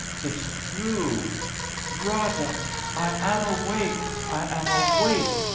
It's true ! Rada, I am awake ! I am awake